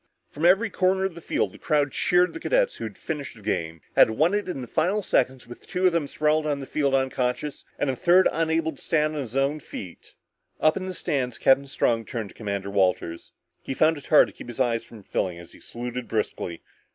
From every corner of the field, the crowd cheered the cadets who had finished the game, had won it in the final seconds with two of them sprawled on the field unconscious and a third unable to stand on his feet. Up in the stands, Captain Strong turned to Commander Walters. He found it hard to keep his eyes from filling up as he saluted briskly.